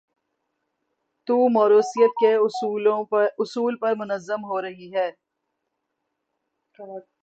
تو موروثیت کے اصول پر منظم ہو رہی ہیں۔